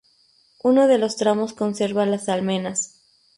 Uno de los tramos conserva las almenas.